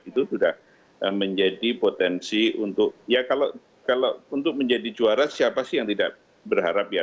itu sudah menjadi potensi untuk ya kalau untuk menjadi juara siapa sih yang tidak berharap ya